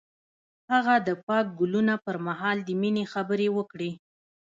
هغه د پاک ګلونه پر مهال د مینې خبرې وکړې.